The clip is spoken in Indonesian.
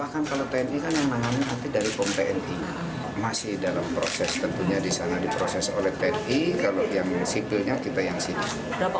kan kalau tni kan yang mana tapi dari pom tni nya masih dalam proses tentunya di sana diproses oleh tni kalau yang sipilnya kita yang sipil